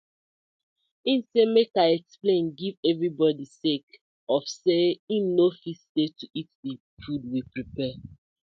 Im say mek I explain giv everi bodi sake of say im no fit stay to eat the food we prapare.